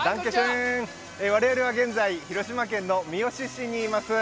我々は現在広島県三次市にいます。